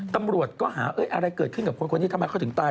ตำรวจก็หาอะไรเกิดขึ้นกับคนคนนี้ทำไมเขาถึงตาย